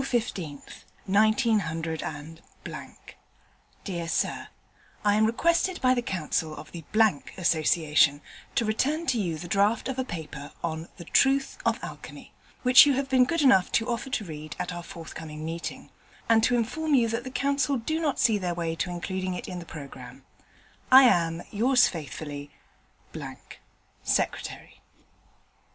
CASTING THE RUNES _April 15th, 190 _ Dear Sir, I am requested by the Council of the Association to return to you the draft of a paper on The Truth of Alchemy, which you have been good enough to offer to read at our forthcoming meeting, and to inform you that the Council do not see their way to including it in the programme. I am, Yours faithfully, _Secretary.